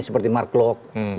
seperti mark klok